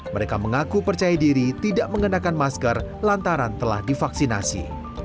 mereka mengaku percaya diri tidak mengenakan masker lantaran telah divaksinasi